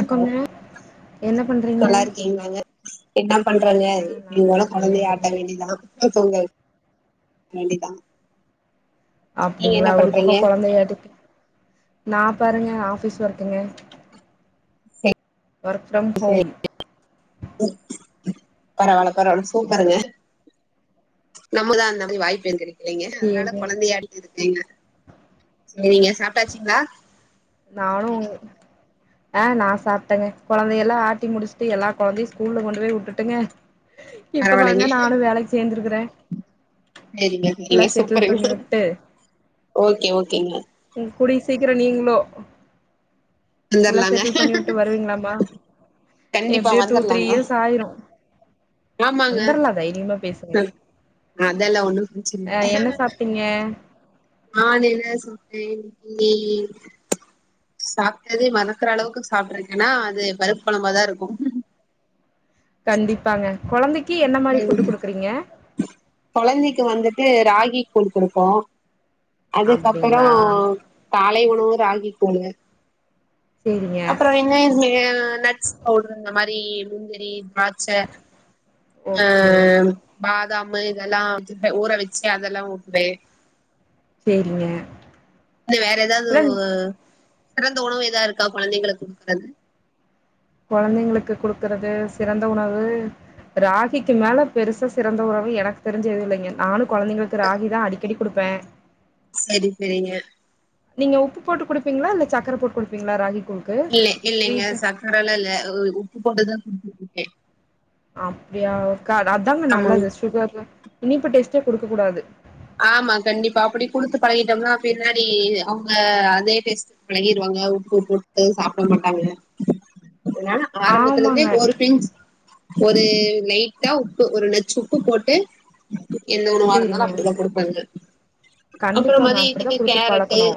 அக்கா மாமா என்ன பண்றீ நல்லா இருக்கீங்லாங்க என்ன பண்றங்க ஆ நா நல்லா இனிமேல இருக்கேங்க கொழந்தைய நீங்க ஆட்ட வேண்டிதா து பொங்கல் வேண்டிதா நீங்க என்ன அப்டிங்ளா ஒரு பக்கோ பண்றீங்க கொழந்தைய ஆட்டிவுட்டு நா பாருங்க ஆபீஸ் ஒர்க்குங்க சரி வெர்க் ஃப்ரம் சரி ஹோம் பரவால்ல பரவால்ல சூப்பருங்க நம்மதா அந்த மாரி வாய்ப்பெங்கலே செரிங்க அதனால சேரிங்க கொழந்தைய அடிக்கது [unintelligible] செரிங்க சாப்டாச்சுங்ளா நானு ஆ நா சாப்ட்டேங்க கொழந்தையல்லா ஆட்டி முடிச்ட்டு எல்லா கொழந்தையு ஸ்கூல்ல கொண்டு போய் வுட்டுட்டுங்க இப்ப பரவால்லைங்க தாங்க நானு வேலைக்கி சேந்துருக்கிறே சேரிங்க சேரிங்க சூப்பருங்க பண்ணி வுட்டு ஓகே ஓகேங்க ம் கூடிய சீக்கிரொ நீங்களோ எல்லா வந்துர்லாங்க செட்டில் பண்ணி வுட்டு வருவீங்களாமா கண்டிப்பா எப்டியோ டூ த்ரீ வந்துர்லாங்க இயர்ஸ் ஆயிரு ஆமாங்க வந்தர்லா தைரிமா பேசுங்க அதெல்லா ஒன்னு பிரச்சன அ என்ன சாப்ட்டீங்க நானு என்ன சொல்றே இன்னைக்கி சாப்டதே மறக்கற அளவுக்கு சாப்ட்ருக்கேனா அது பருப் கொழம்பா தா இருக்கு கண்டிப்பாங்க கொழந்தைக்கி என்ன மாரி ஃபுட்டு் ம் குடுக்குறீங்க கொழந்தைக்கு வந்துட்டு ராகி கூழ் குடுப்போ அதுக்கப்புறோ அப்டிங்களா காலை உணவு ராகி கூழு சேரிங்க அப்றோ [unintelligible] நட்ஸ் பவுடர் இந்த மாரி முந்திரி திராட்ச அ ஓகே பாதாமு இதெல்லா வந்து ப ஊற வச்சி அதெல்லா ஊட்டுவே சேரிங்க இல்ல வேற ஏதாவது இல்ல சிறந்த உணவு ஏதா இருக்கா கொழந்தைங்களுக்கு குடுக்கறது கொழந்தைங்களுக்கு குடுக்கறது சிறந்த உணவு ராகிக்கி மேல பெருசா சிறந்த உணவு எனக்கு தெரிஞ்சு எதுவு இல்லைங்க நானு கொழந்தைங்களுக்கு ராகி தா அடிக்கடி குடுப்பே சேரி சேரிங்க நீங்க உப்பு போட்டு குடுப்பீங்ளா இல்ல சக்கர போட் குடுப்பீங்ளா ராகி கூழ் இல்ல இல்லங்க சக்கரல்லா இல்ல உப்பு போட்டு தா குடிக்க குடுப்பே அப்டியா க அதாங்க ஆமாங் நல்லது சுகரு இனிப்பு டேஸ்டே குடுக்க கூடாது ஆமா கண்டிப்பா அப்டி குடுத்து பழகிட்டோம்னா பின்னாடி அவுங்க அதே டேஸ்ட்டு பழகிருவாங்க உப்பு போட்டு சாப்ட மாட்டாங்க அதனால ஆரம்பத்துலந்தே ஆமாங்க ஒரு பிஞ்ச் ஒரு லைட்டா உப்பு ஒரு நச்சு உப்பு போட்டு எந்த உணவா இருந்தாலு சேரிங்க அப் குடுப்பேங்க கண்டிப்பாங்க அப்டிதா குடுத்து கேரட்டு பழக்கணு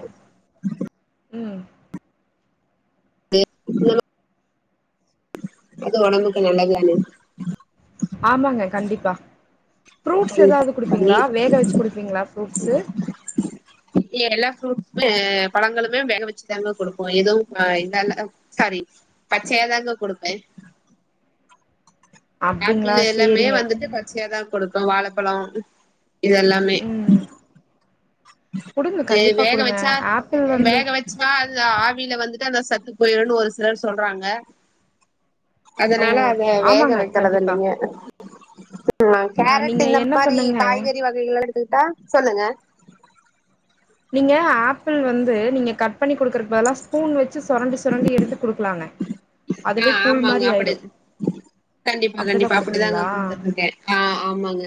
ம் தே [unintelligible] அது ஒடம்புக்கு நல்லது தானே ஆமாங்க கண்டிப்பா ஃப்ரூட்ஸ் கண்டிப்பா எதாவ்து பண்ணி குடுப்பீங்களா வேக வச்சு குடுப்பீங்களா ஃப்ரூட்ஸு எல்லா ஃப்ரூட்ஸ்மே பழங்களுமே வேக வச்சுதாங்க குடுப்போ எதுவு ஆ இதால்ல சாரி பச்சையாதாங்க குடுப்பே அப்டிங்களா ஆப்பிளு எல்லாமே சேரிங்க வந்துட்டு பச்சியாதா குடுப்போ வாழப்பழோ இதெல்லாமே ம் குடுங்க து கண்டிப்பா வேக குடுங்க வச்சா ஆப்பிள் வந்து வேக வச் சா அந்த ஆவியில வந்துட்டு அந்த சத்து போயிருன் ஒரு சிலர் சொல்றாங்க ஓ அதனால அத வேக ஆமாங்க கண்டிப்பா வெக்கறதில்லைங்க ஆ கேரட் நீங்க இந்த என்ன மாரி பண்ணுங்க காய்கறி வகைகள்ல எடுத்துகிட்டா சொல்லுங்க நீங்க ஆப்பிள் வந்து நீங்க கட் பண்ணி குடுக்கறக் பதலாச் பூன் வெச்சு சொரண்டி சொரண்டி எடுத்து குடுக்லான்னே ஆ அதுவே கூழ் ஆமாங்க மாரி அப்படி ஆய்ரு கண்டிப்பா கண்டிப்பா அப்டிதாங்க குடுத்துட்ருக்கே ஆ ஆமாங்க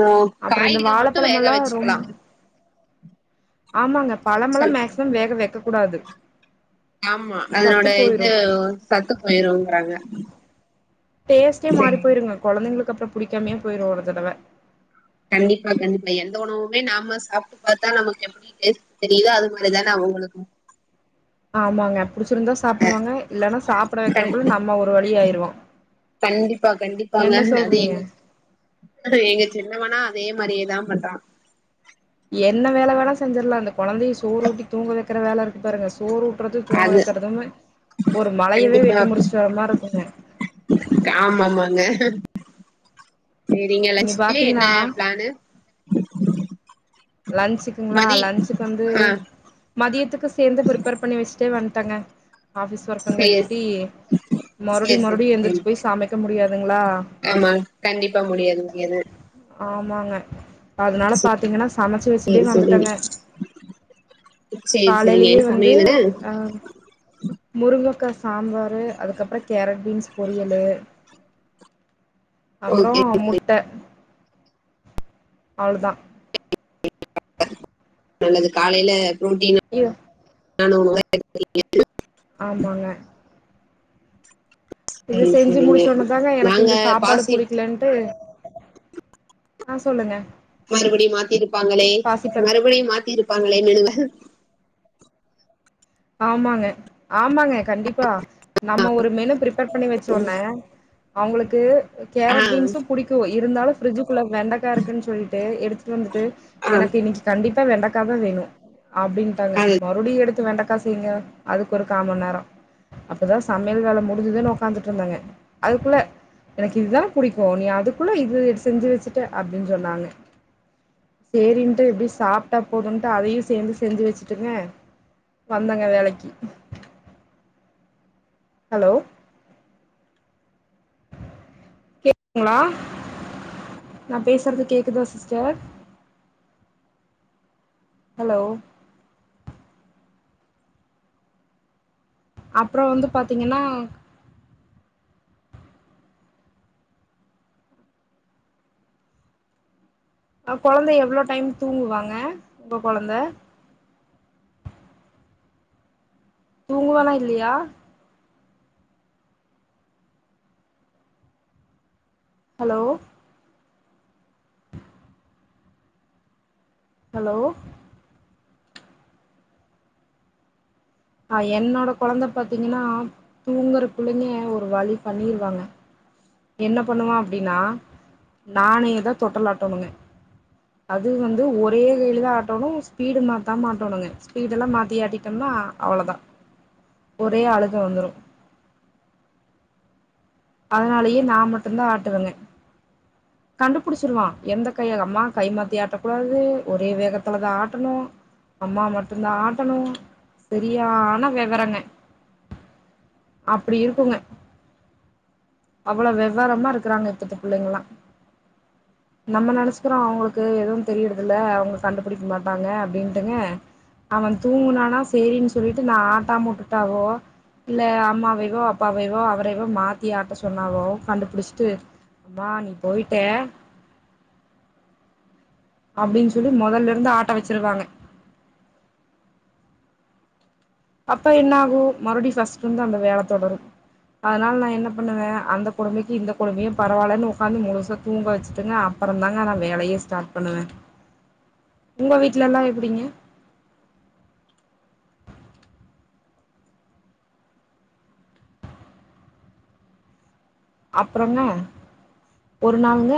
ஓ அப்புறோ இந்த காய்கள் மட்டு வேக வாழப்பழமெல்லா ரொம் வெச்சுக்லா ஆமாங்க பழமெலாம் சொல் மேக்சிமம் வேக வெக்க கூடாது ஆமா சத்து அதனோட போயிரு இது சத்து போயிருங்கறாங்க டேஸ்ட்டே மாறி சேரி போயிருங்க கொழந்தைங்ளுக்கு அப்றம் புடிக்காம்யே போயிரு ஒரு தடவே கண்டிப்பா கண்டிப்பா எந்த உணவுமே நம்ம சாப்ட்டு பாத்தா நமக்கு எப்டி எஸ் தெரியிதா அது மாரிதானே அவுங்குளுக்கும் ஆமாங்க புடிச்சிருந்தா சாப்டுவாங்க இல்லனா சாப்ட கண் வெக்கிறக்குள்ள நம்ம ஒரு வழி ஆயிருவோ கண்டிப்பா கண்டிப்பாங்க, என்ன அது சொல்றீங்க எங்க எங்க சின்னவனா அதே மாரியேதாம் பண்றா என்ன வேல வேணா செஞ்சர்லா இந்தக் கொழந்தைய சோறு ஊட்டித் தூங்க வெக்கற வேல இருக்கு பாருங்கச் சோறு ஊட்றது தூங்க அது வெக்கறதுமே ஒரு மலையவே வெட்டி முறிச்ட்டு வர மார்ருக்குங்க காமா மாங்க சேரிங்க நீங்க லன்சுக்கு என்ன பாத்தீங்கன்னா பிளானு லன்சுக்குங்ளா மதி லன்சுக்கு வந்து ஆ மதியத்துக்கு சேர்ந்து ப்ரிப்பேர் பண்ணி வெச்ட்டே வன்ட்டங்க ஆஃபிஸ் சேர் ஒர்க்குங்கிறங்கேட்டி மறுடி சேர் சேர் மறுடி சேரி எந்திரிச்சு போய் சமைக்க முடியாதுங்ளா ஆமா கண்டிப்பா முடியாது முடியாது ஆமாங்க அதனால பாத்தீங்கனா சமச்சு வெச்சுட்டே சேரி சேரி வந்துட்டேங்க சேரி சேரிங்க காலைலியே என்ன வந்து சமையலுங்க அ முருங்கக்கா சாம்பாரு அதுக்கப்றோ கேரட் பீன்ஸ் பொரியலு அப்றோ ஓகே முட்ட அவ்ளதா [unintelligible] நல்லது காலைல புரோட்டீனா யோ நானு அவனுந்தா [inaudible] ஆமாங்க இது சரி செஞ்சு சரிங்க முடிச்சொன்னதாங்க எனக்கு நாங்க இந்த சாப்பாடு பாசி புடிக்கலன்ட்டு ஆ சொல்லுங்க மறுபடியும் மாத்திருப்பாங்களே பாசிப்பருப்பு மறுபடியும் மாத்தி இருப்பாங்களே மெனுவே ஆமாங்க ஆமாங்க கண்டிப்பா நம்ம ஒரு மெனு ப்ரிப்பேர் பண்ணி வெச்சோனே அவுங்ளுக்கு ஆ கேரட் பீன்ஸும் புடிக்கு இருந்தாலு ஃப்ரிட்ஜுக்குள்ள வெண்டக்கா இருக்குன் சொல்லிட்டு எடுத்துட்டு வந்துட்டு ஆ எனக்கு இன்னக்கி கண்டிப்பா வெண்டக்காதா வேணு அப்டின்ட்டாங்க அத மறுடியு எடுத்து வெண்டக் திங்க அதுக்கு ஒரு கா மண் நேரோ அப்பதா சமையல் வேல முடிஞ்சுதுன் ஒக்காந்துட்ருந்தேங்க அதுக்குள்ள எனக்கு இதுதாம் புடிக்கு நீ அதுக்குள்ள இதுடு செஞ்சு வெச்சுட்ட அப்டின் சொன்னாங்க சேரின்ட்டு எப்டி சாப்ட்டா போதுன்ட்டு அதையு சேர்ந்து செஞ்சு வெச்சுட்டுங்க வந்தங்க வேலக்கி ஹலோ கேக்குதுங்ளா நா பேசுறது கேக்குதா சிஸ்டர் ஹலோ அப்றோ வந்து பாத்தீங்கன்னா அ கொழந்த எவ்ளோ டைம் தூங்குவாங்க உங்க கொழந்த தூங்குவானா இல்லியா ஹலோ [inaudible] ஹலோ ஆ என்னோட கொழந்த பாத்திங்கன்னா தூங்கரக்குள்ளங்க ஒரு வழி பண்ணிருவாங்க என்ன பண்ணுவா அப்டின்னா நானே தா தொட்டல் ஆட்டணுங்க அது வந்து ஒரே கைல தா ஆட்டனு ஸ்பீடு மாத்தாம ஆட்டணுங்க ஸ்பீடல்லா மாத்தி ஆட்டிட்டோம்னா அவ்ளோதா ஒரே ஆளுக வந்துரு அதனாலேயே நா மட்டுதா ஆட்டுவங்க [inaudible] கண்டுபுடுச்சுருவா எந்த கைய அம்மா கை மாத்தி ஆட்டக்கூடாது ஒரே வேகத்துலதா ஆட்டனு அம்மா மட்டுதா ஆட்டனு சரியான வெவரங்க அப்டி இருக்குங்க அவ்ளோ வெவரமா இருக்குறாங்க இப்பத்த புள்ளைங்கல்லா [inaudible] நம்ம நெனச்சுக்குறோ அவங்களுக்கு எதுவு தெரியறது இல்ல அவங்க கண்டுபுடிக்க மாட்டாங்க அப்டின்ட்டுங்க அவ தூங்குனானா சேரின்னு சொல்லிட்டு நா ஆட்டா உட்டுட்டாவோ இல்ல அம்மாவைவோ அப்பாவைவோ அவரைவோ மாத் யார்ட்ட சொன்னாவோ கண்டுபுடுஷ்ட்டு மா நீ போயிட்ட அப்டின் சொல்லி மொதல்லருந்து ஆட்ட வச்சுருவாங்க அப்ப என்னாகு மறுபடி ஃபர்ஸ்ட்ல இருந்து அந்த வேல தொடரு அதுனால நா என்ன பண்ணுவே அந்த கொடுமைக்கு இந்த கொடுமையு பரவாலன்னு உக்காந்து முழுசா தூங்க வச்சுட்டுங்க அப்பறோதாங்க நா வேலயே ஸ்டார்ட் பண்ணுவே [inaudible] உங்க வீட்லலா எப்டிங்க அப்ரோங்க ஒரு நாளுங்க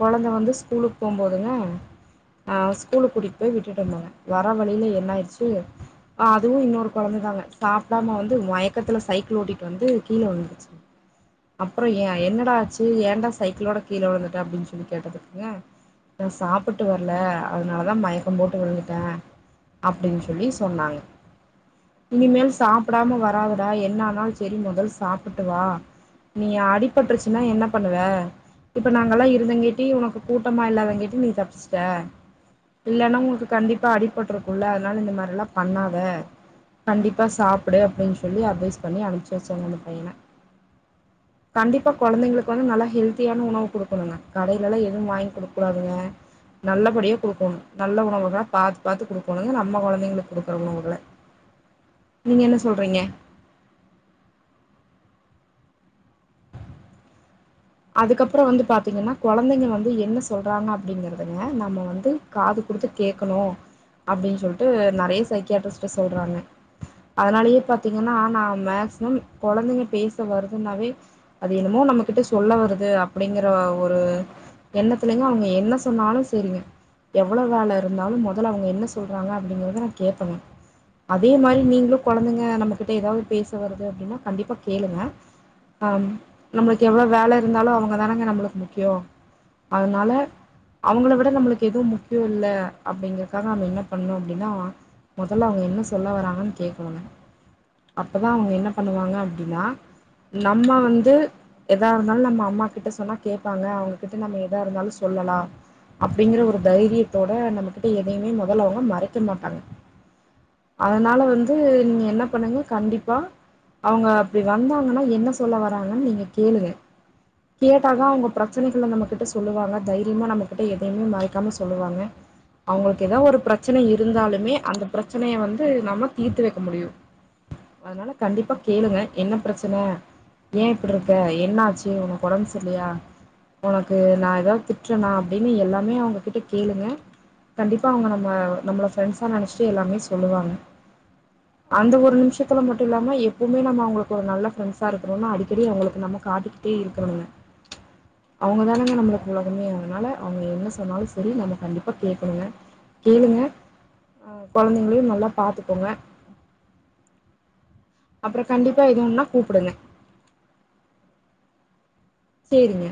கொழந்த வந்து ஸ்கூலுக்கு போ போது ஆ ஸ்கூல்க்கு கூட்டிட்டு போய் விட்டுட்டு வந்தோங்க வர வழில என் ஆயிறுச்சு அதுவு இன்னொரு கொழந்த தாங்க சாப்டாம வந்து மயக்கத்துல சைக்கிள் ஓட்டிட்டு வந்து கீழ உழுந்துருச்சு அப்புறோ ஏ என்னடா ஆச்சு ஏன்டா சைக்குளோட கீழ உழுந்துட்ட அப்டின்னு சொல்லி கேட்டதுக்கு நா சாப்புட்டு வரல அதனாலதா மயக்க போட்டு உழுந்துட்டே அப்டின்னு சொல்லி சொன்னாங்க இனிமே சாப்புடாம வராத டா என்ன ஆனாலு செரி முதல் சாப்புட்டு வா நீ அடிபட்ருச்சுனா என்ன பண்ணுவ இப்ப நாங்கல்லா இருந்தங்கேட்டி உனக்கு கூட்டமா இல்லாதங்கேட்டி நீ தப்ச்சுட்ட இல்லன்னா உங்களுக்கு கண்டிப்பா அடிபட்டுருக்கும்ல அதனால இந்த மாரில்லா பண்ணாத கண்டிப்பா சாப்புடு அப்டின்னு சொல்லி அட்வைஸ் பண்ணி அனுப்ச்சு வச்சங்க அந்த பையன கண்டிப்பா கொழந்தைங்களுக்கு வந்து நல்லா ஹெல்த்தியான உணவு குடுக்கணுங்க கடேலல்லா எது வாங்கி குடுக்க கூடாதுங்க நல்லபடியா கொடுக்கோனு நல்ல உணவுகளா பாத்து பாத்து கொக்கணுங்க நம்ம கொழந்தைங்களுக்கு கொடுக்குற உணவுகள [inaudible] நீங்க என்ன சொல்றீங்க அதுக்கப்பறோ வந்து பாத்தீங்கன்னா கொழந்தைங்க வந்து என்ன சொல்றாங்க அப்படிங்கறதுங்க நம்ம வந்து காது குடுத்து கேக்கனு அப்டின் சொல்ட்டு நெறய சைக்கியார்ட்டிஸ்ட் சொல்றாங்க அதனாலயே பாத்தீங்கன்னா நா மேக்சிம கொழந்தைங்க பேச வருதுன்னாவே அது என்னமோ நம்ம கிட்ட சொ சொல்ல வருது அப்டிங்குற ஒரு எண்ணத்துலங்க அவங்க என்ன சொன்னாலு சேரிங்க எவ்வளோ வேல இருந்தாலு மொதல்ல அவங்க என்ன சொல்றாங்க அப்படிங்குறத நா கேப்பங்கே அதே மாரி நீங்களு கொழந்தைங்க நம்ம கிட்ட ஏதாவது பேச வருது அப்டின்னா கண்டிப்பா கேளுங்க ஆம் நம்மளுக்கு எவ்வளவு வேலை இருந்தாலும் அவங்க தானங்க நம்மளுக்கு முக்கியம் அதனால அவங்கள விட நம்மளுக்கு எதுவு முக்கியம் இல்ல அப்டிங்கறக்காக நம்ம என்ன பண்ணு அப்டின்னா முதல்ல அவங்க என்ன சொல்ல வராங்கன்னு கேட்கணுங்க அப்போதான் அவங்க என்ன பண்ணுவாங்க அப்படின்னா நம்ம வந்து எதா இருந்தாலு நம்ம அம்மா கிட்ட சொன்னா கேட்பாங்க அவங்ககிட்ட நம்ம எதா இருந்தாலு சொல்லலா அப்படிங்கிற ஒரு தைரியத்தோட நம்ம கிட்ட எதையுமே முதல்ல அவங்க மறைக்க மாட்டாங்க அதனால வந்து நீங்க என்ன பண்ணுங்க கண்டிப்பா அவங்க அப்டி வந்தாங்கன்னா என்ன சொல்ல வராங்கன்னு நீங்க கேளுங்க கேட்டக்கா அவங்க பிரச்சனைகளை நம்ம கிட்ட சொல்லுவாங்க தைரியமா நம்ம கிட்ட எதையுமே மறைக்காம சொல்லுவாங்க அவங்களுக்கு ஏதோ ஒரு பிரச்சன இருந்தாலுமே அந்த பிரச்சனய வந்து நம்ம தீர்த்து வைக்க முடியு அதனால கண்டிப்பா கேளுங்க என்ன பிரச்சனை ஏன் இப்படி இரு இப்போ என்ன ஆச்சு உனக்கு உடம்பு சரி இல்லையா உனக்கு நா ஏதாவது திட்டுறனா அப்டின்னு எல்லாமே அவங்ககிட்ட கேளுங்க கண்டிப்பா அவங்க நம்ம நம்மள ஃப்ரெண்ட்ஸா நினைச்சிட்டு எல்லாமே சொல்லுவாங்க அந்த ஒரு நிமிஷத்துல மட்டும் இல்லாம எப்பவுமே நம்ம அவங்களுக்கு ஒரு நல்ல பிரண்ட்ஸாஇருக்கணோனு அடிக்கடி அவங்களுக்கு நம்ம காத்துக்கிட்டே இருக்கணுங்க அவங்க தானங்க நம்மளுக்கு உலகமே அதுனால அவங்க என்ன சொன்னாலு சரி நம்ம கண்டிப்பா கேட்கணுங்க கேளுங்க அ குழந்தைங்களையு நல்லா பாத்துக்கோங்க அப்புறம் கண்டிப்பா இது ஒன்னா கூப்பிடுங்க சேரிங்க